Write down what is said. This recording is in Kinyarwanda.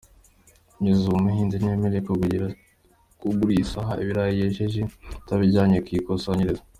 Kugeza ubu, umuhinzi ntiyemerewe kugurisaha ibirayi yejeje, atabijyanye ku ikusanyirizo.